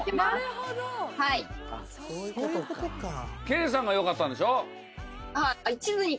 けいさんがよかったんでしょ？